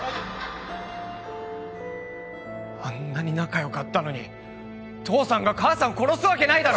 あんなに仲よかったのに父さんが母さんを殺すわけないだろ！